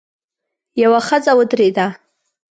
يوه ښځه ودرېده.